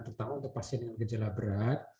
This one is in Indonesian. terutama untuk pasien dengan gejala berat